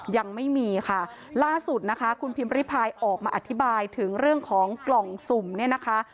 ยังไม่มีค่ะล่าสุดนะคะคุณพิมพิพายออกมาอธิบายถึงเรื่องของกล่องสุ่มเนี่ยนะคะ